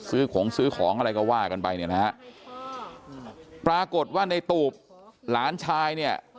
ซื้อของซื้อของอะไรก็ว่ากันไปเนี่ยนะฮะปรากฏว่าในตูบหลานชายเนี่ย